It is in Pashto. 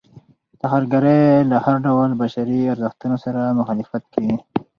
ترهګرۍ له هر ډول بشري ارزښتونو سره مخالفت کوي.